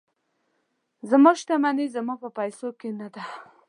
زما شتمني زما په پیسو کې نه ده.